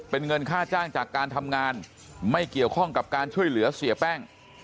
เป็นเงินค่าจ้างจากการทำงานไม่เกี่ยวข้องกับการช่วยเหลือเสียแป้ง